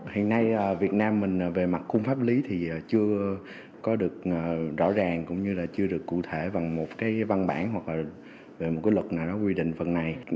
hiện nay việt nam mình về mặt khung pháp lý thì chưa có được rõ ràng cũng như là chưa được cụ thể bằng một cái văn bản hoặc là về một cái luật nào đó quy định phần này